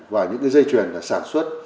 và những dây truyền sản xuất